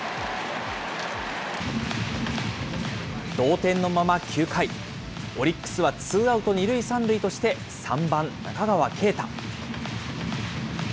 同点のまま９回、オリックスはツーアウト２塁３塁として、３番中川圭太。